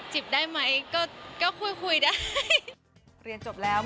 จิบได้ไหมก็คุยได้